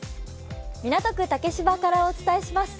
港区竹芝からお伝えします。